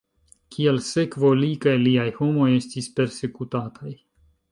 Kiel sekvo, li kaj liaj homoj estis persekutataj.